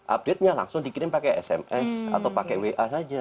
update nya langsung dikirim pakai sms atau pakai wa saja